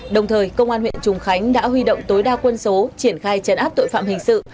đồng thời công an huyện trùng khánh đã huy động tối đa quân số triển khai trấn áp tội phạm hình sự